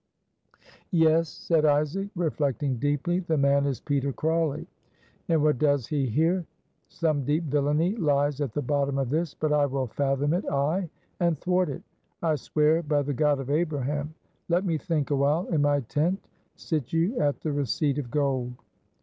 "Yes," said Isaac, reflecting deeply. "The man is Peter Crawley; and what does he here? Some deep villainy lies at the bottom of this; but I will fathom it, ay, and thwart it, I swear by the God of Abraham. Let me think awhile in my tent. Sit you at the receipt of gold."